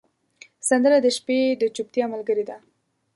سندره د شپې د چوپتیا ملګرې ده